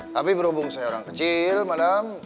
tapi berhubung saya orang kecil malam